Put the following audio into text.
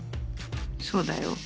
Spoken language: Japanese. そうだよ。